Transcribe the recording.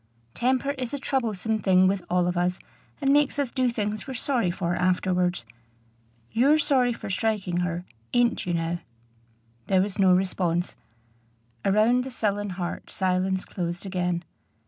"Temper is a troublesome thing with all of us, and makes us do things we're sorry for afterwards. You're sorry for striking her ain't you, now?" There was no response. Around the sullen heart silence closed again.